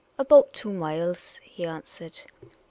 " About two inilL'S," lie answered.